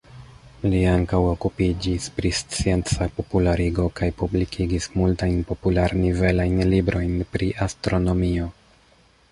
Li ankaŭ okupiĝis pri scienca popularigo kaj publikigis multajn popular-nivelajn librojn pri astronomio.